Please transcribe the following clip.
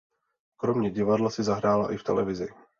Kromě divadla si zahrála i v televizi.